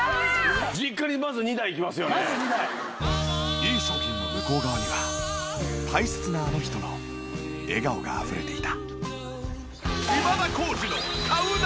いい商品の向こう側には大切なあの人の笑顔があふれていた。